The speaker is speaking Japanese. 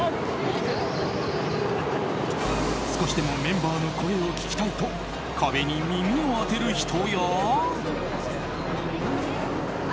少しでもメンバーの声を聞きたいと壁に耳を当てる人や。